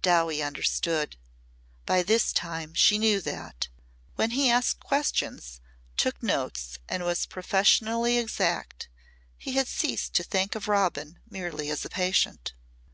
Dowie understood. By this time she knew that, when he asked questions, took notes and was professionally exact, he had ceased to think of Robin merely as a patient.